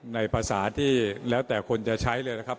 ในภาษาที่แล้วแต่คนจะใช้เลยนะครับ